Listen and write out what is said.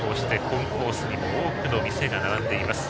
コンコースにも多くの店が並んでいます。